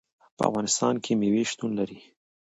په افغانستان کې مېوې شتون لري.